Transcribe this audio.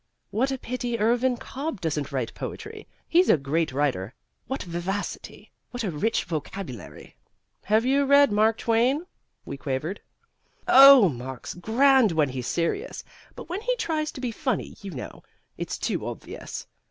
What a pity Irvin Cobb doesn't write poetry! He's a great writer. What vivacity, what a rich vocabulary!" "Have you read Mark Twain?" we quavered. "Oh, Mark's grand when he's serious; but when he tries to be funny, you know, it's too obvious.